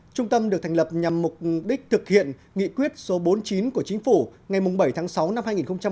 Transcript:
trung tâm được thành lập nhằm mục đích thực hiện nghị quyết số bốn mươi chín của chính phủ ngày bảy tháng sáu năm hai nghìn một mươi chín